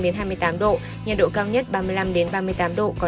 nhiệt độ thấp nhất hai mươi năm hai mươi tám độ